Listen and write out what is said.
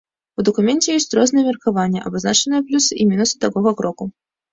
У дакуменце ёсць розныя меркаванні, абазначаныя плюсы і мінусы такога кроку.